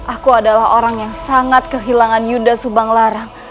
aku adalah orang yang sangat kehilangan yuda subang larang